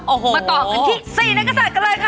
มาต่อกันที่๔นักยาศกันเลยค่ะ